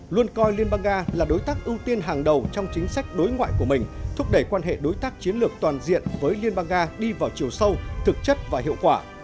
luôn coi liên bang nga là đối tác ưu tiên hàng đầu trong chính sách đối ngoại của mình thúc đẩy quan hệ đối tác chiến lược toàn diện với liên bang nga đi vào chiều sâu thực chất và hiệu quả